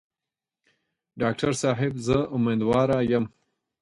ډاکټر صاحب زه امیندواره یم.